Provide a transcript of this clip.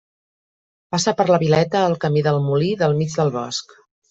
Passa per la Vileta el Camí del Molí del Mig del Bosc.